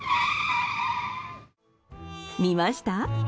見ました？